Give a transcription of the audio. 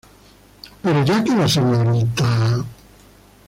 Pero ya que la Srta.